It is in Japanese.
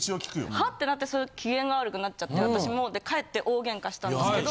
はっ！？ってなって機嫌が悪くなっちゃって私も。で帰って大ゲンカしたんですけど。